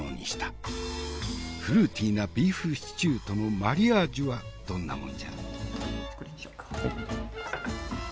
フルーティーなビーフシチューとのマリアージュはどんなもんじゃろ？